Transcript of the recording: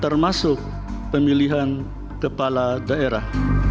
termasuk pemilihan kepala daerah